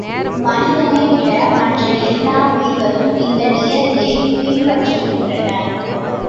மனிதனை விட மற்ற எல்லா உயிர்களும் இந்த நியதியைப் பின்பற்றுகின்றன.